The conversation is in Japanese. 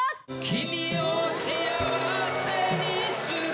君を幸せにする